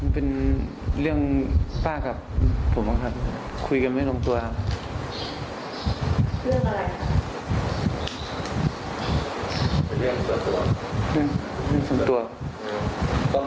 เป็นเรื่องป้ากับผมคุยกันไม่ลงตัวครับ